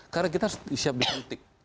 karena kita harus siap dikritik